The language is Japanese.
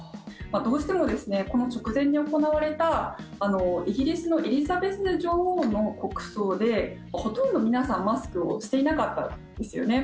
どうしてもこの直前に行われたイギリスのエリザベス女王の国葬でほとんど皆さん、マスクをしていなかったですよね。